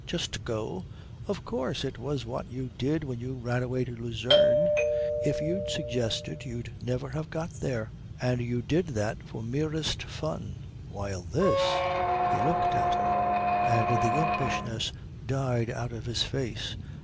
"Just go?" "Of course. It was what you did when you ran away to Lucerne. If you'd suggested you'd never have got there. And you did that for merest fun. While this " He looked at her, and the impishness died out of his face.